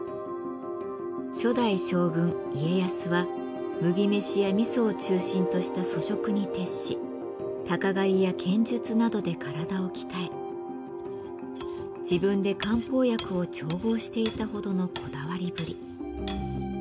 初代将軍家康は麦飯やみそを中心とした粗食に徹し鷹狩りや剣術などで体を鍛え自分で漢方薬を調合していたほどのこだわりぶり。